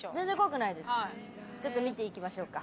ちょっと見ていきましょうか。